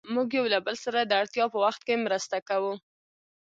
موږ يو له بل سره د اړتیا په وخت کې مرسته کوو.